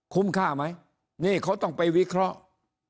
ค่าไหมนี่เขาต้องไปวิเคราะห์